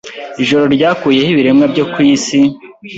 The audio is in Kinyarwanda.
Ijoro ryakuyeho ibiremwa byo ku isi